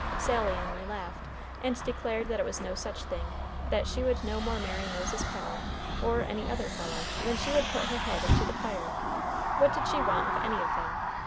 Sally only laughed, and declared that it was no such thing; that she would no more marry Moses Pennel, or any other fellow, than she would put her head into the fire. What did she want of any of them?